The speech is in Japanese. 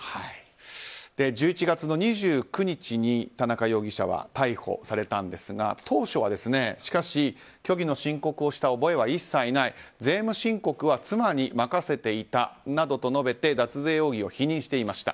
１１月の２９日に田中容疑者は逮捕されたんですが当初は虚偽の申告をした覚えは一切ない税務申告は妻に任せていたなどと述べて脱税容疑を否認していました。